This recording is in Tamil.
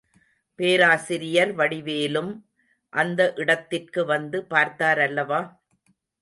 பேராசிரியர் வடிவேலும் அந்த இடத்திற்கு வந்து பார்த்தாரல்லவா?